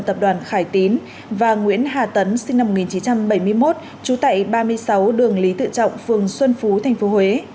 tập đoàn khải tín và nguyễn hà tấn sinh năm một nghìn chín trăm bảy mươi một trú tại ba mươi sáu đường lý tự trọng phường xuân phú tp huế